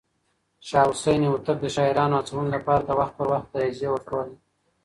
شاه حسين هوتک د شاعرانو هڅونې لپاره وخت پر وخت جايزې ورکولې.